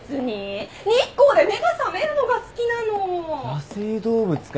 野生動物かよ。